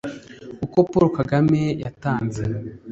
Uko Paulo Kagame yatanze